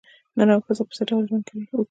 نر او ښځه په څه ډول ژوند وکړي.